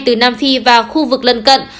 từ nam phi vào khu vực lần cận